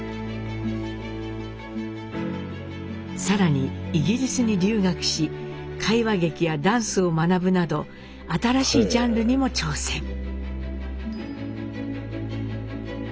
更にイギリスに留学し会話劇やダンスを学ぶなど新しいジャンルにも挑戦。